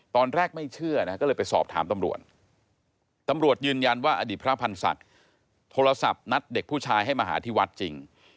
ตอนแรกไม่เชื่อนะก็เลยไปสอบถามตำรวจตำรวจยืนยันว่าอดีตพระพันธ์ศักดิ์โทรศัพท์นัดเด็กผู้ชายให้มาหาที่วัดจริง